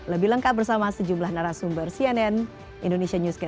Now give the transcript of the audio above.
lebih lengkap bersama sejumlah narasumber cnn indonesia newscast